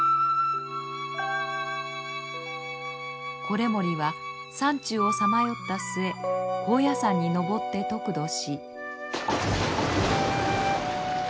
維盛は山中をさまよった末高野山に登って得度し。